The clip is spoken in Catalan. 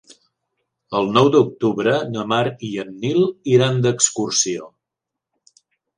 El nou d'octubre na Mar i en Nil iran d'excursió.